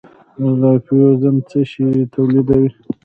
رایبوزوم څه شی تولیدوي؟